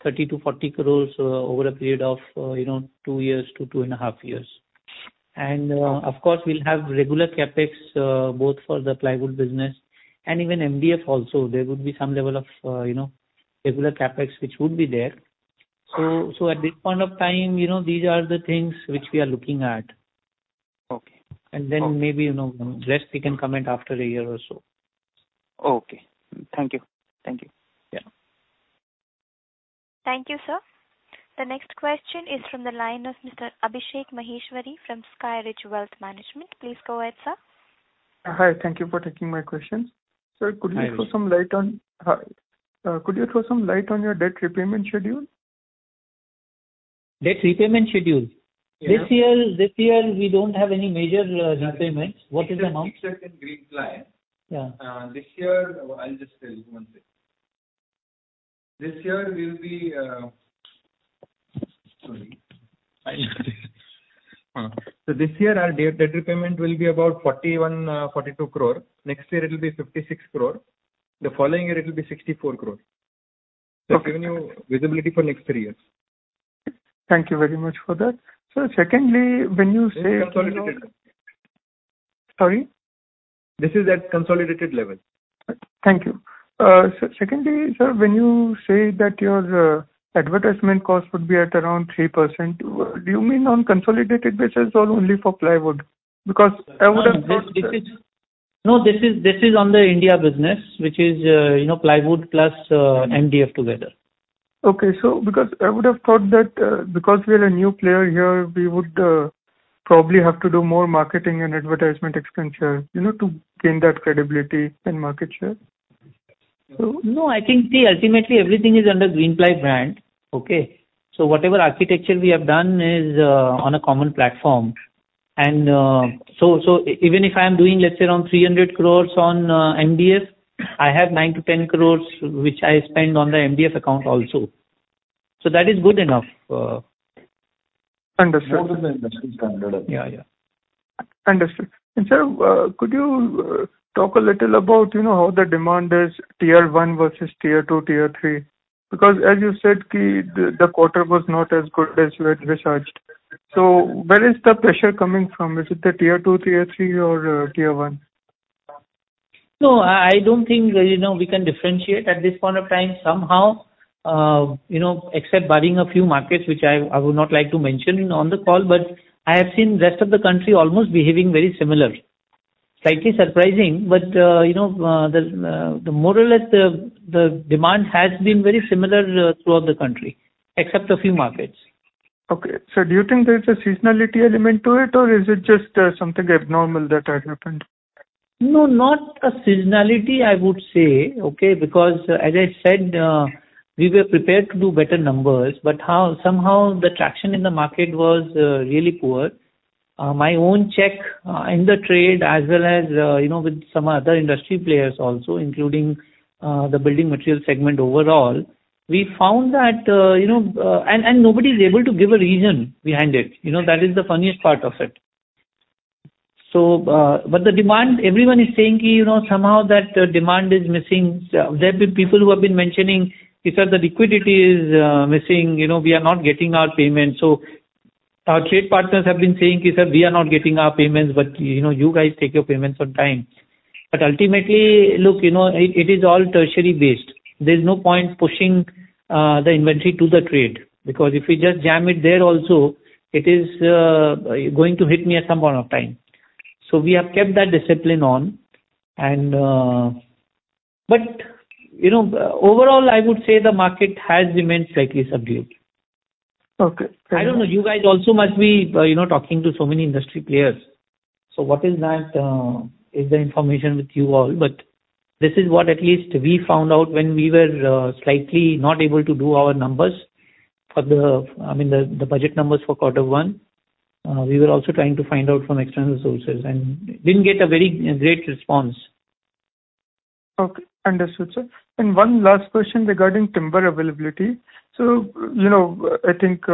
30 crore-40 crore over a period of, you know, 2 years to 2.5 years. And of course, we'll have regular CapEx both for the plywood business and even MDF also. There would be some level of, you know, regular CapEx, which would be there. So at this point of time, you know, these are the things which we are looking at. Okay. Then maybe, you know, rest we can comment after a year or so. Okay. Thank you. Thank you. Yeah. Thank you, sir. The next question is from the line of Mr. Abhishek Maheshwari from Skyrich Wealth Management. Please go ahead, sir. Hi. Thank you for taking my questions. Hi. Sir, could you throw some light on... Hi, could you throw some light on your debt repayment schedule? Debt repayment schedule? Yeah. This year, this year, we don't have any major repayments. What is the amount? If I can reply. Yeah. This year, I'll just tell you one second. This year will be, so this year our debt repayment will be about 41-42 crore. Next year it will be 56 crore. The following year it will be 64 crore. Okay. Giving you visibility for next three years. Thank you very much for that. Sir, secondly, when you say- This is the consolidated. Sorry? This is at consolidated level. Thank you. So secondly, sir, when you say that your advertisement cost would be at around 3%, do you mean on consolidated basis or only for plywood? Because I would have thought that- This is on the India business, which is, you know, plywood plus MDF together. Okay. Because I would have thought that, because we are a new player here, we would probably have to do more marketing and advertisement expenditure, you know, to gain that credibility and market share. No, I think, see, ultimately everything is under Greenply brand. Okay? So whatever architecture we have done is on a common platform. And so, so even if I am doing, let's say, around 300 crore on MDF, I have 9-10 crore, which I spend on the MDF account also. So that is good enough. Understood. More than the industry standard. Yeah, yeah. Understood. And, sir, could you talk a little about, you know, how the demand is tier one versus tier two, tier three? Because as you said, the quarter was not as good as we had researched. So where is the pressure coming from? Is it the tier two, tier three, or tier one? No, I, I don't think, you know, we can differentiate at this point of time. Somehow, you know, except barring a few markets, which I, I would not like to mention on the call, but I have seen rest of the country almost behaving very similar. Slightly surprising, but, you know, the more or less the demand has been very similar, throughout the country, except a few markets. Okay. So do you think there's a seasonality element to it, or is it just something abnormal that had happened? No, not a seasonality, I would say, okay? Because as I said, we were prepared to do better numbers, but somehow the traction in the market was really poor. My own check in the trade, as well as, you know, with some other industry players also, including the building material segment overall, we found that, you know... And nobody is able to give a reason behind it. You know, that is the funniest part of it. So, but the demand, everyone is saying, you know, somehow that demand is missing. There've been people who have been mentioning, "Sir, the liquidity is missing, you know, we are not getting our payments." So our trade partners have been saying, "Sir, we are not getting our payments, but, you know, you guys take your payments on time." But ultimately, look, you know, it is all tertiary based. There's no point pushing the inventory to the trade, because if we just jam it there also, it is going to hit me at some point of time. So we have kept that discipline on, and. But you know, overall, I would say the market has remained slightly subdued. Okay. I don't know. You guys also must be, you know, talking to so many industry players. So what is that, is the information with you all? But this is what at least we found out when we were, slightly not able to do our numbers for the, I mean, the budget numbers for quarter one. We were also trying to find out from external sources and didn't get a very great response. Okay, understood, sir. One last question regarding timber availability. So, you know, I think,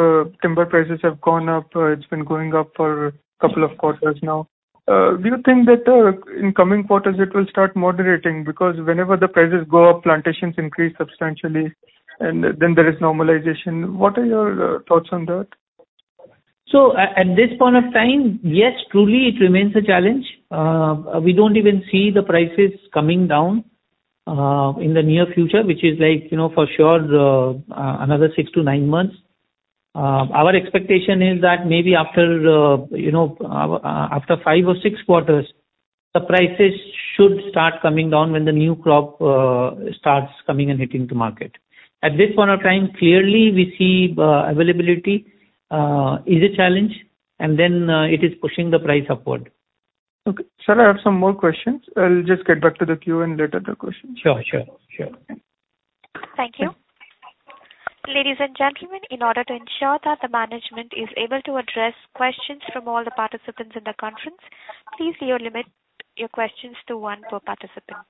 timber prices have gone up. It's been going up for a couple of quarters now. Do you think that, in coming quarters, it will start moderating? Because whenever the prices go up, plantations increase substantially, and then there is normalization. What are your thoughts on that? So at this point of time, yes, truly, it remains a challenge. We don't even see the prices coming down in the near future, which is like, you know, for sure another 6-9 months. Our expectation is that maybe after, you know, after 5 or 6 quarters, the prices should start coming down when the new crop starts coming and hitting the market. At this point of time, clearly, we see availability is a challenge, and then it is pushing the price upward. ... Okay. Sir, I have some more questions. I'll just get back to the queue, and later the questions. Sure, sure, sure. Thank you. Ladies and gentlemen, in order to ensure that the management is able to address questions from all the participants in the conference, please do limit your questions to one per participant.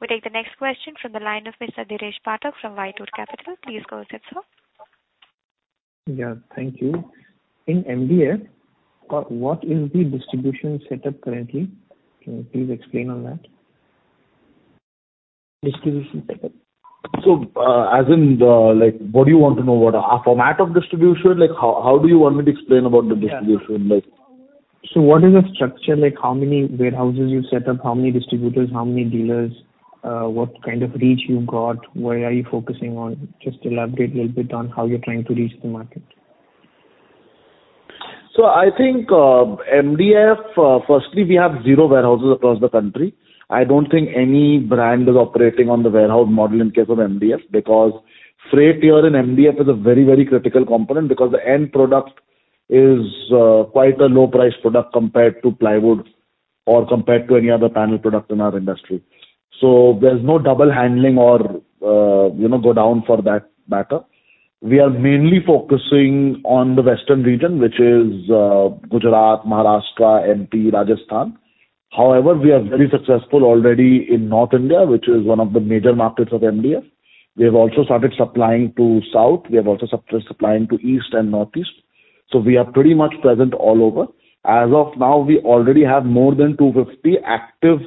We take the next question from the line of Mr. Dhiresh Pathak from White Oak Capital. Please go ahead, sir. Yeah, thank you. In MDF, what is the distribution setup currently? Can you please explain on that? Distribution setup. So, as in the, like, what do you want to know about? Our format of distribution? Like, how, how do you want me to explain about the distribution, like? So what is the structure like? How many warehouses you set up, how many distributors, how many dealers, what kind of reach you got? Where are you focusing on? Just elaborate a little bit on how you're trying to reach the market. So I think, MDF, firstly, we have zero warehouses across the country. I don't think any brand is operating on the warehouse model in case of MDF, because freight here in MDF is a very, very critical component, because the end product is quite a low price product compared to plywood or compared to any other panel product in our industry. So there's no double handling or, you know, go down for that matter. We are mainly focusing on the western region, which is Gujarat, Maharashtra, MP, Rajasthan. However, we are very successful already in North India, which is one of the major markets of MDF. We have also started supplying to South. We have also started supplying to East and Northeast, so we are pretty much present all over. As of now, we already have more than 250 active,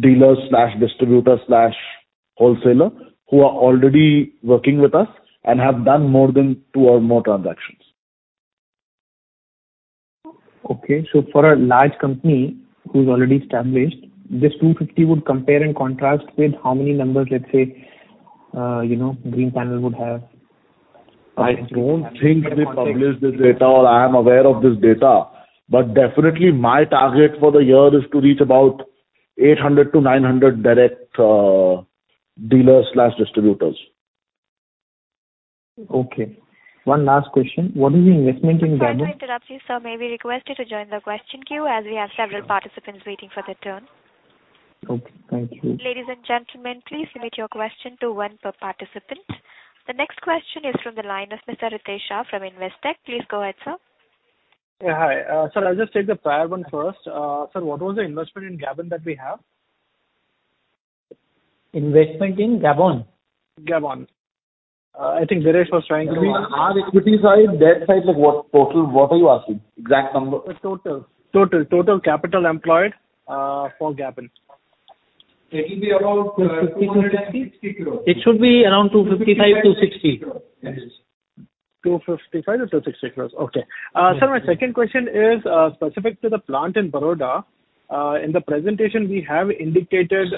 dealers/distributor/wholesaler who are already working with us and have done more than 2 or more transactions. Okay. So for a large company who's already established, this 250 would compare and contrast with how many numbers, let's say, you know, Greenpanel would have? I don't think they publish this data or I am aware of this data, but definitely my target for the year is to reach about 800-900 direct dealers/distributors. Okay. One last question: What is the investment in Gabon? Sorry to interrupt you, sir. May we request you to join the question queue, as we have several participants waiting for their turn. Okay. Thank you. Ladies and gentlemen, please limit your question to one per participant. The next question is from the line of Mr. Ritesh Shah from Investec. Please go ahead, sir. Yeah, hi. Sir, I'll just take the prior one first. Sir, what was the investment in Gabon that we have? Investment in Gabon? Gabon. I think Dhiresh was trying to- Our equity side, debt side, like what total, what are you asking? Exact number. The total capital employed for Gabon. It will be about INR 260 crores. It should be around 255-260. Yes. 255-260 crores. Okay. Sir, my second question is specific to the plant in Baroda. In the presentation, we have indicated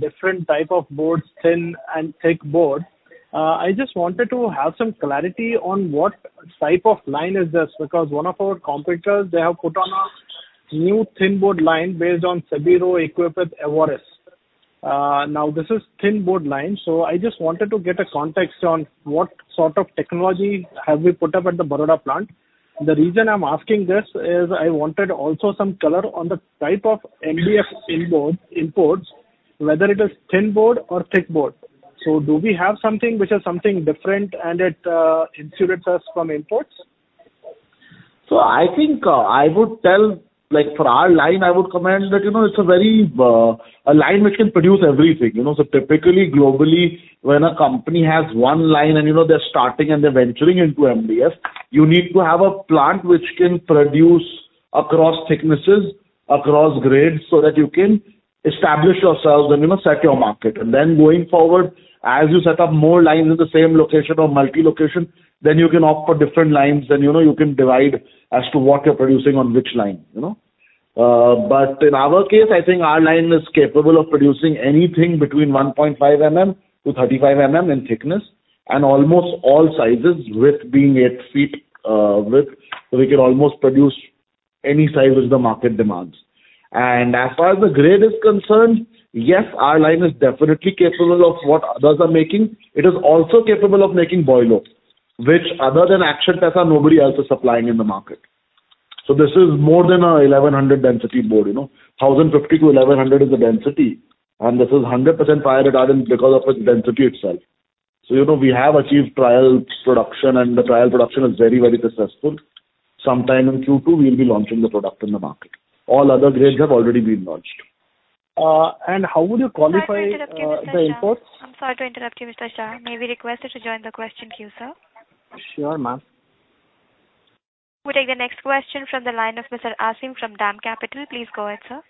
different type of boards, thin and thick board. I just wanted to have some clarity on what type of line is this, because one of our competitors, they have put on a new thin board line based on Sebiro equipped Everest. Now, this is thin board line, so I just wanted to get a context on what sort of technology have we put up at the Baroda plant. The reason I'm asking this is I wanted also some color on the type of MDF imports, whether it is thin board or thick board. So do we have something which is something different and it insulates us from imports? So I think, I would tell, like, for our line, I would comment that, you know, it's a very, a line which can produce everything, you know. So typically, globally, when a company has one line and you know they're starting and they're venturing into MDF, you need to have a plant which can produce across thicknesses, across grades, so that you can establish yourselves and, you know, set your market. And then going forward, as you set up more lines in the same location or multi-location, then you can opt for different lines, then, you know, you can divide as to what you're producing on which line, you know? But in our case, I think our line is capable of producing anything between 1.5 mm to 35 mm in thickness, and almost all sizes, with being 8 feet, width. So we can almost produce any size which the market demands. And as far as the grade is concerned, yes, our line is definitely capable of what others are making. It is also capable of making Boilo, which other than Action Tesa, nobody else is supplying in the market. So this is more than a 1,100 density board, you know. 1,050-1,100 is the density, and this is 100% fire retardant because of its density itself. So, you know, we have achieved trial production, and the trial production is very, very successful. Sometime in Q2, we will be launching the product in the market. All other grades have already been launched. And how would you qualify the imports? I'm sorry to interrupt you, Mr. Shah. May we request you to join the question queue, sir? Sure, ma'am. We take the next question from the line of Mr. Asim from DAM Capital. Please go ahead, sir.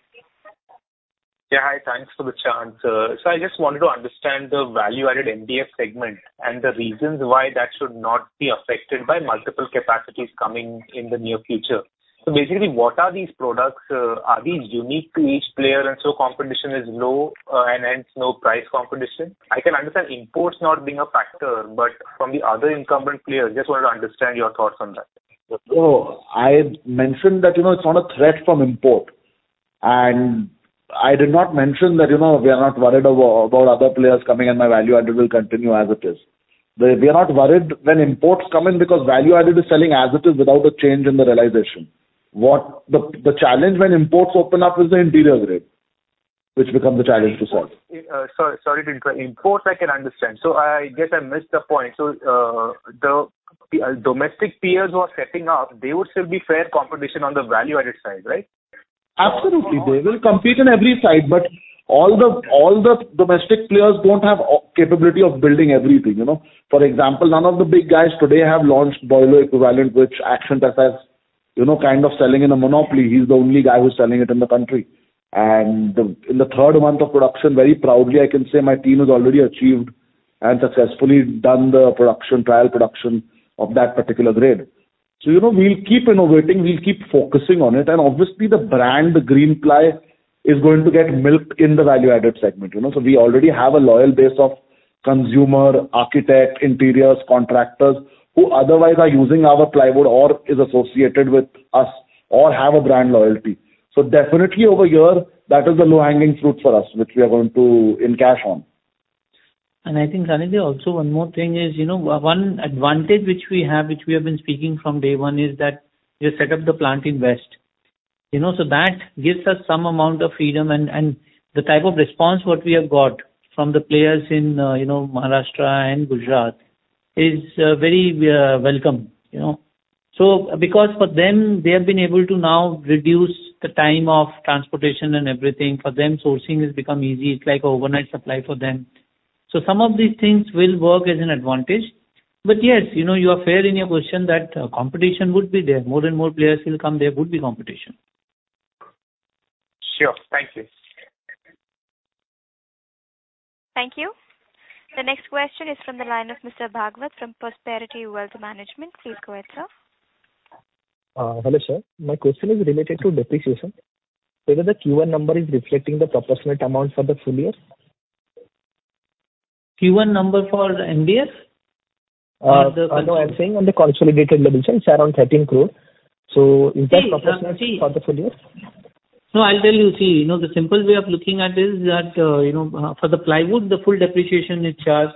Yeah. Hi, thanks for the chance. So I just wanted to understand the value-added MDF segment and the reasons why that should not be affected by multiple capacities coming in the near future. So basically, what are these products? Are these unique to each player, and so competition is low, and hence no price competition? I can understand imports not being a factor, but from the other incumbent players, just wanted to understand your thoughts on that. So I mentioned that, you know, it's not a threat from import. And I did not mention that, you know, we are not worried about other players coming in, and my value added will continue as it is. We are not worried when imports come in, because value added is selling as it is without a change in the realization. What the challenge when imports open up is the interior grade, which becomes a challenge to solve. Sorry, sorry to interrupt. Imports I can understand. So I guess I missed the point. So, the domestic peers who are setting up, they would still be fair competition on the value added side, right? Absolutely. They will compete in every side, but all the, all the domestic players don't have capability of building everything, you know. For example, none of the big guys today have launched Boilo equivalent, which Action Tesa has, you know, kind of selling in a monopoly. He's the only guy who's selling it in the country. And in the third month of production, very proudly, I can say my team has already achieved and successfully done the production, trial production of that particular grade. So, you know, we'll keep innovating, we'll keep focusing on it. And obviously, the brand, Greenply, is going to get milked in the value-added segment, you know? So we already have a loyal base of consumer, architect, interiors, contractors, who otherwise are using our plywood or is associated with us or have a brand loyalty. Definitely over a year, that is the low-hanging fruit for us, which we are going to encash on. And I think, Sanjeev, also one more thing is, you know, one advantage which we have, which we have been speaking from day one, is that we have set up the plant in west. You know, so that gives us some amount of freedom and, and the type of response what we have got from the players in, you know, Maharashtra and Gujarat is, very, welcome, you know. So because for them, they have been able to now reduce the time of transportation and everything. For them, sourcing has become easy. It's like overnight supply for them. So some of these things will work as an advantage. But yes, you know, you are fair in your question that competition would be there. More and more players will come, there would be competition. Sure. Thank you. Thank you. The next question is from the line of Mr. Bhagwat from Prosperity Wealth Management. Please go ahead, sir. Hello, sir. My question is related to depreciation. Whether the Q1 number is reflecting the proportionate amount for the full year? Q1 number for MDF? No, I'm saying on the consolidated level, it's around 13 crore. So is that proportionate for the full year? No, I'll tell you. See, you know, the simple way of looking at it is that, you know, for the plywood, the full depreciation is charged.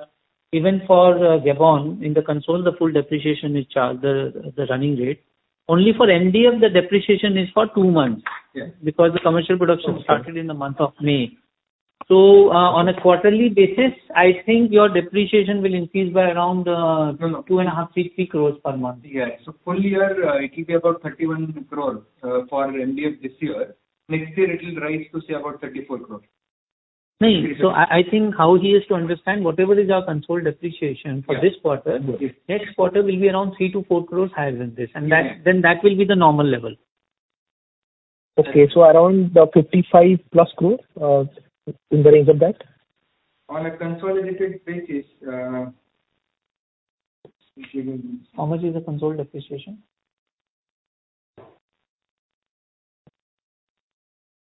Even for Gabon, in the consolidated, the full depreciation is charged, the running rate. Only for MDF, the depreciation is for two months- Yes. because the commercial production started in the month of May. So, on a quarterly basis, I think your depreciation will increase by around, No, no. - 2.5 crores-3 crores per month. Yeah. So full year, it will be about 31 crore for MDF this year. Next year, it will rise to say about 34 crores. No. So I think how he is to understand, whatever is our consolidated depreciation for this quarter, next quarter will be around 3 crore-4 crore higher than this, and that- Yeah. Then that will be the normal level. Okay. So around 55+ crore in the range of that? On a consolidated basis... How much is the console depreciation?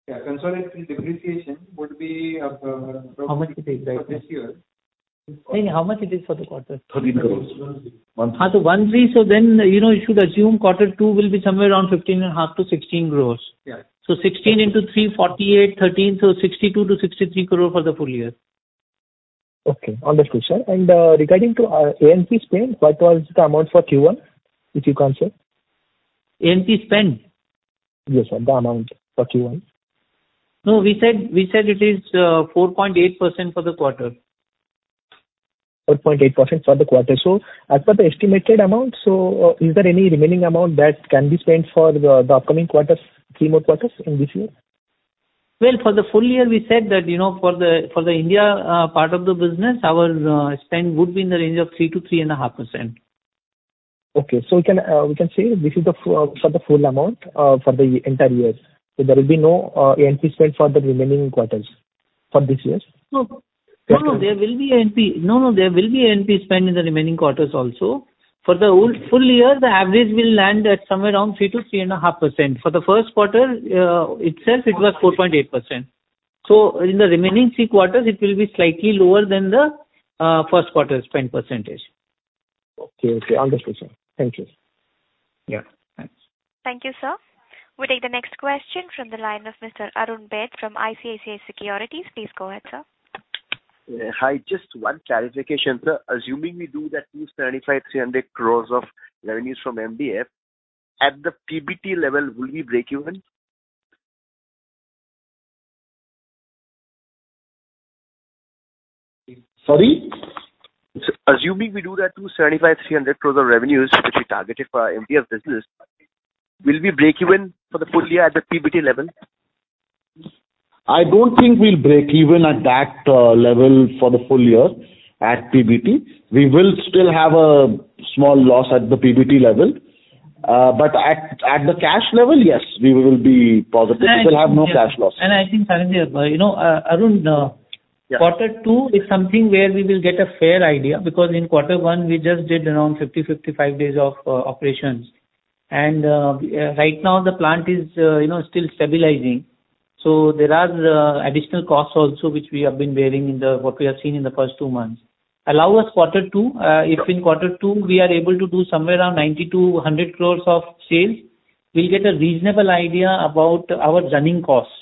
Yeah, consolidated depreciation would be, How much it is right now? For this year. No, how much it is for the quarter? Thirteen crores. So, 13, then, you know, you should assume quarter two will be somewhere around 15.5-16 crores. Yeah. So 16 into 3, 48, 13, so 62 crore-63 crore for the full year. Okay. Understood, sir. And, regarding to our A&P spend, what was the amount for Q1, if you can say? A&P spend? Yes, sir, the amount for Q1. No, we said, we said it is 4.8% for the quarter. 4.8% for the quarter. So as per the estimated amount, so, is there any remaining amount that can be spent for the upcoming quarters, three more quarters in this year? Well, for the full year, we said that, you know, for the, for the India, part of the business, our, spend would be in the range of 3%-3.5%. Okay. So we can say this is the full amount for the entire years. So there will be no A&P spend for the remaining quarters for this years? No. No, no, there will be A&P spend in the remaining quarters also. For the full year, the average will land at somewhere around 3%-3.5%. For the first quarter itself, it was 4.8%. So in the remaining three quarters, it will be slightly lower than the first quarter spend percentage. Okay, okay. Understood, sir. Thank you, sir. Yeah, thanks. Thank you, sir. We take the next question from the line of Mr. Arun Baid from ICICI Securities. Please go ahead, sir. Hi, just one clarification, sir. Assuming we do that 275 crore-300 crore of revenues from MDF, at the PBT level, will we break even? Sorry? Assuming we do that 275 crores-300 crores of revenues, which you targeted for our MDF business, will we break even for the full year at the PBT level? I don't think we'll break even at that level for the full year at PBT. We will still have a small loss at the PBT level. But at the cash level, yes, we will be positive. We will have no cash loss. I think, Sanjeev, you know, Arun, Yeah. Quarter two is something where we will get a fair idea, because in quarter one, we just did around 50-55 days of operations. And right now, the plant is, you know, still stabilizing. So there are the additional costs also, which we have been bearing in the -- what we have seen in the first two months. Allow us quarter two. If in quarter two we are able to do somewhere around 90 crore-100 crore of sales, we'll get a reasonable idea about our running costs.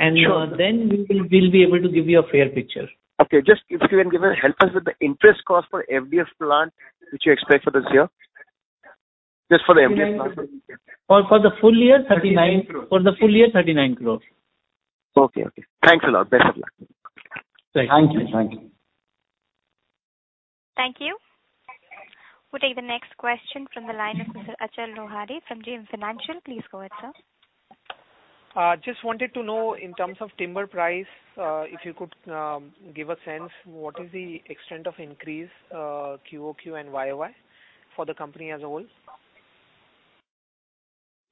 Sure. And then we will, we'll be able to give you a fair picture. Okay. Just if you can help us with the interest cost for MDF plant, which you expect for this year. Just for the MDF plant. For the full year, 39. Thirty-nine crores. For the full year, 39 crores. Okay, okay. Thanks a lot. Best of luck. Thank you. Thank you. Thank you. We'll take the next question from the line of Mr. Achal Lohade from JM Financial. Please go ahead, sir. Just wanted to know in terms of timber price, if you could give a sense, what is the extent of increase, QOQ and YOY for the company as a whole?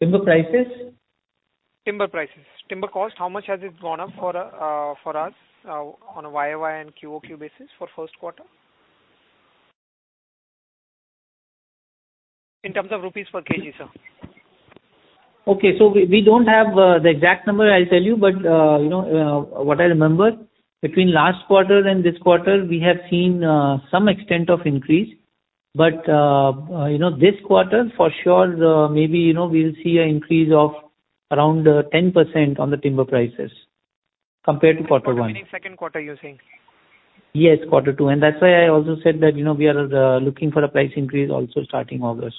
Timber prices? Timber prices. Timber cost, how much has it gone up for, for us, on a YOY and QOQ basis for first quarter? In terms of rupees per kg, sir. Okay, so we don't have the exact number I'll tell you, but you know what I remember, between last quarter and this quarter, we have seen some extent of increase. But you know, this quarter, for sure, maybe, you know, we'll see an increase of around 10% on the timber prices compared to quarter one. Second quarter, you're saying? Yes, quarter two. That's why I also said that, you know, we are looking for a price increase also starting August.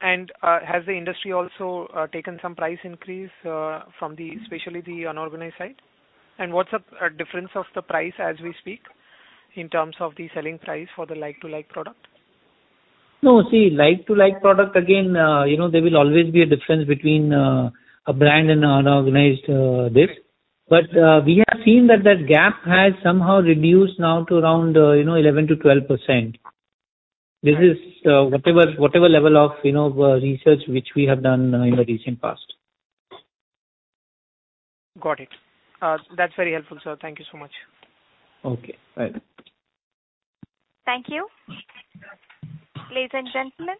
And, has the industry also taken some price increase, especially from the unorganized side? And what's the difference of the price as we speak, in terms of the selling price for the like-for-like product? No, see, like-to-like product again, you know, there will always be a difference between, a brand and unorganized, this. But, we have seen that that gap has somehow reduced now to around, you know, 11%-12%. This is, whatever, whatever level of, you know, research which we have done in the recent past. Got it. That's very helpful, sir. Thank you so much. Okay, bye. Thank you. Ladies and gentlemen,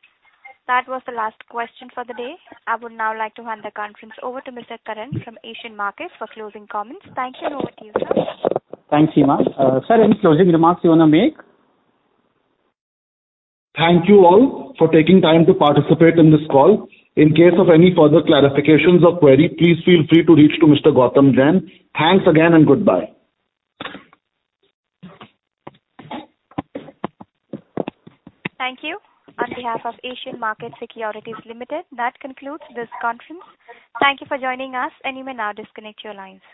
that was the last question for the day. I would now like to hand the conference over to Mr. Karan from Asian Market Securities for closing comments. Thank you, and over to you, sir. Thanks, Hema. Sir, any closing remarks you want to make? Thank you all for taking time to participate in this call. In case of any further clarifications or query, please feel free to reach to Mr. Gautam Jain. Thanks again, and goodbye. Thank you. On behalf of Asian Market Securities Limited, that concludes this conference. Thank you for joining us, and you may now disconnect your lines.